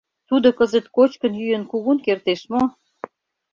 Тудо кызыт кочкын-йӱын кугун кертеш мо?